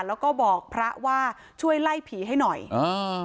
แล้วก็บอกพระว่าช่วยไล่ผีให้หน่อยอ่า